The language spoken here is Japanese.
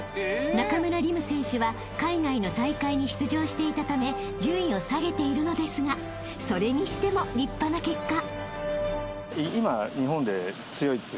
［中村輪夢選手は海外の大会に出場していたため順位を下げているのですがそれにしても立派な結果］